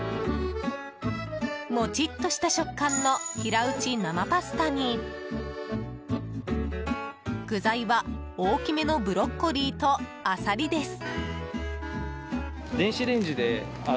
もちっとした食感の平打ち生パスタに具材は、大きめのブロッコリーとアサリです。